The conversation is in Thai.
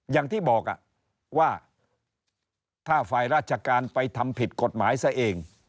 อย่างที่บอกว่าถ้าฝ่ายราชการไปทำผิดกฎหมายซะเอง